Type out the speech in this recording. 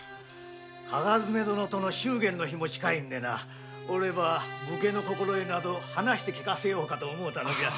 加賀爪殿との祝言の日も近いのでなおれば武家の心得など話して聞かせようかと思うての。